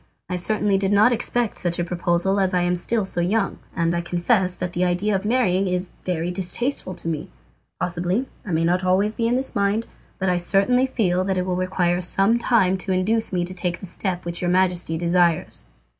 I certainly did not expect such a proposal as I am still so young, and I confess that the idea of marrying is very distasteful to me. Possibly I may not always be in this mind, but I certainly feel that it will require some time to induce me to take the step which your Majesty desires."